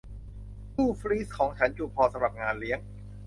ตู้ฟรีซของฉันจุพอสำหรับงานเลี้ยง